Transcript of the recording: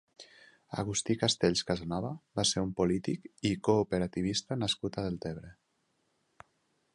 Agustí Castells Casanova va ser un polític i cooperativista nascut a Deltebre.